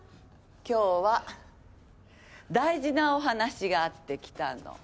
今日は大事なお話があって来たの。